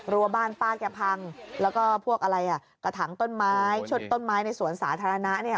บ้านป้าแกพังแล้วก็พวกอะไรอ่ะกระถังต้นไม้ชดต้นไม้ในสวนสาธารณะเนี่ย